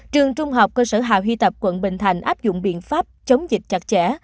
trường trung học cơ sở hà huy tập quận bình thành áp dụng biện pháp chống dịch chặt chẽ